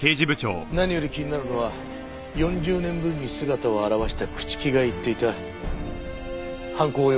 何より気になるのは４０年ぶりに姿を現した朽木が言っていた犯行予告という言葉だ。